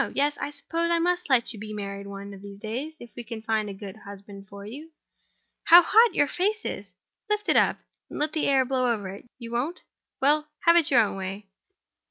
Yes; I suppose I must let you be married one of these days—if we can find a good husband for you. How hot your face is! Lift it up, and let the air blow over it. You won't? Well—have your own way.